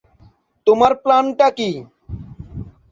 তোমার প্ল্যানটা কী?